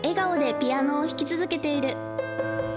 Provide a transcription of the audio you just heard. ピアノを弾き続けている